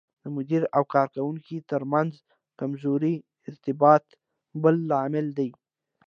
د مدیر او کارکوونکو ترمنځ کمزوری ارتباط بل لامل دی.